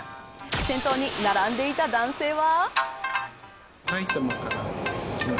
先頭に並んでいた男性は。